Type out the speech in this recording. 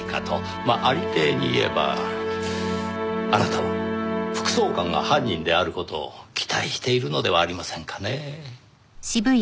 まあ有り体に言えばあなたは副総監が犯人である事を期待しているのではありませんかねぇ？